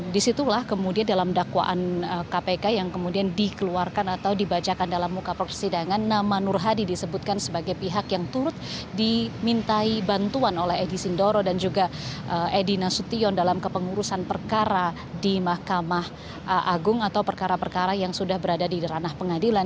disitulah kemudian dalam dakwaan kpk yang kemudian dikeluarkan atau dibacakan dalam muka persidangan nama nur hadi disebutkan sebagai pihak yang turut dimintai bantuan oleh egy sindoro dan juga edi nasution dalam kepengurusan perkara di mahkamah agung atau perkara perkara yang sudah berada di ranah pengadilan